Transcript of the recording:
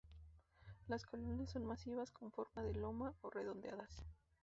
Las colonias son masivas, con forma de loma o redondeadas.